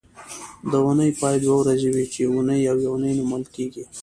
د اونۍ پای دوه ورځې وي چې اونۍ او یونۍ نومول کېږي